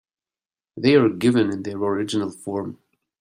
They are given in their original form.